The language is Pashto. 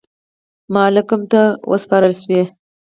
مالکم ته وسپارل سوې.